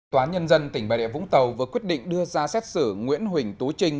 tòa nhân dân tỉnh bà địa vũng tàu vừa quyết định đưa ra xét xử nguyễn huỳnh tú trinh